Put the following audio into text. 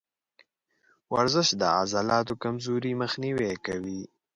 ورزش د عضلاتو کمزوري مخنیوی کوي.